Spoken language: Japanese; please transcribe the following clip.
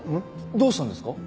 どうしたんですか？